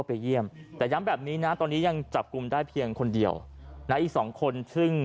แย้นแยมแบบนี้นะตอนนี้ยังจับกลุ่มได้เพียงคนเดียวตัวอื่น๒คนซึ่ง